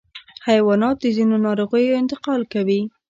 حیوانات د ځینو ناروغیو انتقال کوي.